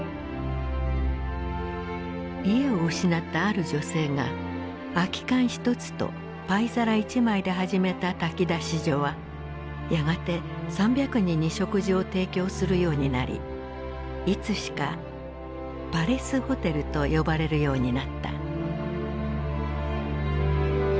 家を失ったある女性が空き缶１つとパイ皿１枚で始めた炊き出し所はやがて３００人に食事を提供するようになりいつしかパレスホテルと呼ばれるようになった。